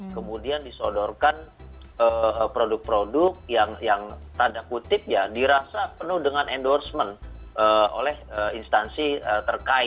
kemudian disodorkan produk produk yang tanda kutip ya dirasa penuh dengan endorsement oleh instansi terkait